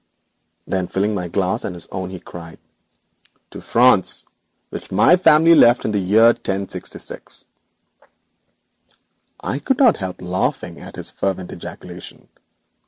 Then filling my glass and his own he cried: 'To France, which my family left in the year 1066!' I could not help laughing at his fervent ejaculation.